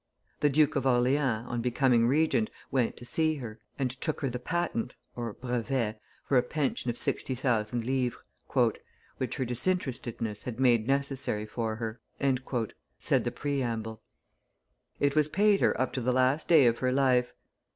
The Duke of Orleans, on becoming regent, went to see her, and took her the patent (brevet) for a pension of sixty thousand livres, "which her disinterestedness had made necessary for her," said the preamble. It was paid her up to the last day of her life.